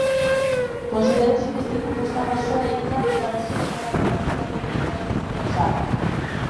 Considerouse que este grupo estaba só e illado para ser economicamente e politicamente interesante.